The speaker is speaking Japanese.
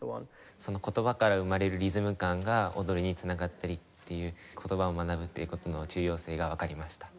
その言葉から生まれるリズム感が踊りに繋がったりっていう言葉を学ぶという事の重要性がわかりました。